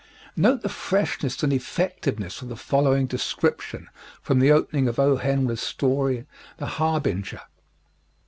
Note the freshness and effectiveness of the following description from the opening of O. Henry's story, "The Harbinger."